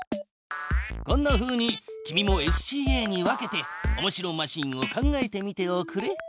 こんなふうに君もＳＣＡに分けておもしろマシーンを考えてみておくれ。